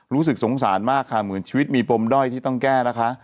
รู้สึกสงสารมากค่ะเหมือนชีวิตมีปมด้อยที่ต้องแก้นะคะ